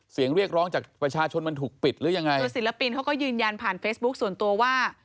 เสียงเรียกร้องจากประชาชนมันถูกปิดหรือยังไงคือศิลปินเขาก็ยืนยันผ่านเฟซบุ๊คส่วนตัวว่า